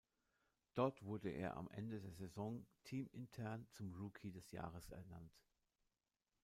Dort wurde er am Ende der Saison teamintern zum Rookie des Jahres ernannt.